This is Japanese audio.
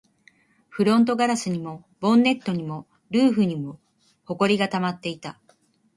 フロントガラスにも、ボンネットにも、ルーフにも埃が溜まっていた